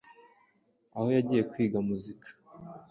aho yagiye kwiga muzika.